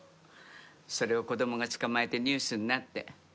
それを子供が捕まえてニュースになって。